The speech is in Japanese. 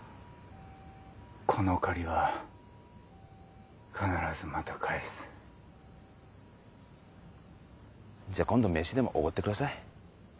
この借りは必ずまた返すじゃ今度飯でもおごってください